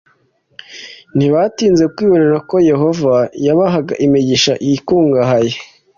ntibatinze kwibonera ko yehova yabahaga imigisha ikungahaye